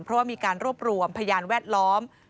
เพราะว่ามีการรวบรวมพยานแวดล้อม